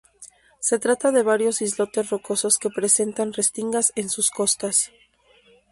Se trata de varios islotes rocosos que presentan restingas en sus costas.